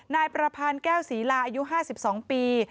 นายประพานแก้วศรีลาอายุ๕๒ปี